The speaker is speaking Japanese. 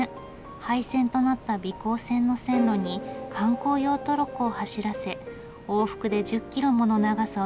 廃線となった美幸線の線路に観光用トロッコを走らせ往復で１０キロもの長さを楽しめるんです。